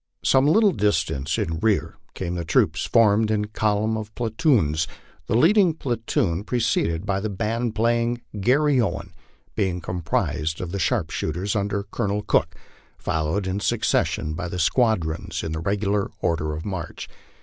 Some little distance in rear came the troops formed in column of platoons, the leading platoon, preceded by the band playing " Garry Owen," being composed of the sharpshooters under Colonel Cook, followed in succession by the squadrons in the regular order of march.